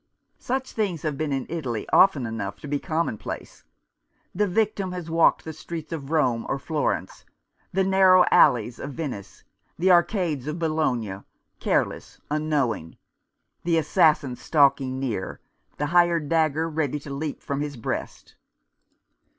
Such things have been in Italy often enough to be commonplace. The victim has walked the streets of Rome or Florence, the narrow alleys of Venice, the arcades of Bologna, careless, unknowing, 229 Rough Justice. the assassin stalking near, the hired dagger ready to leap from his breast.